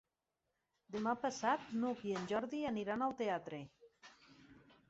Demà passat n'Hug i en Jordi aniran al teatre.